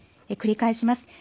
繰り返します。